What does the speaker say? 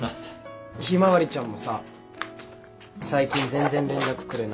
向日葵ちゃんもさ最近全然連絡くれなくて。